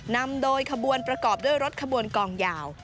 นำโดยขบวนประกอบด้วยรถขบวนกองยาว